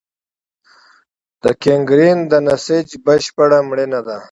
د ګینګرین د نسج بشپړ مړینه ده.